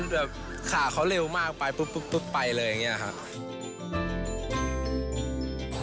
แบบขาเขาเร็วมากไปปุ๊บไปเลยอย่างนี้ครับ